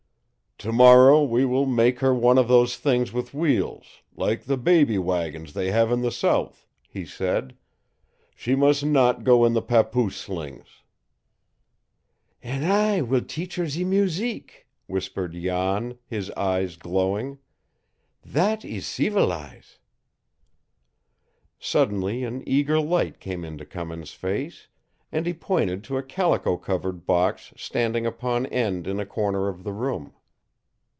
"To morrow we will make her one of those things with wheels like the baby wagons they have in the South," he said. "She must not go in the papoose slings!" "An' I will teach her ze museek," whispered Jan, his eyes glowing. "That ees ceevilize!" Suddenly an eager light came into Cummins' face, and he pointed to a calico covered box standing upon end in a corner of the room.